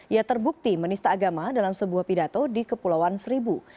ia terbukti menista agama dalam sebuah pidato di kepulauan seribu